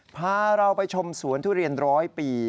พาเราไปชมสวนทุเรียนร้อยปี